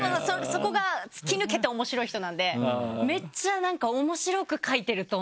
そこが突き抜けて面白い人なんでめっちゃ面白く書いてると思う。